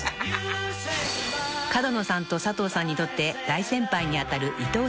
［角野さんと佐藤さんにとって大先輩に当たる伊東四朗さん］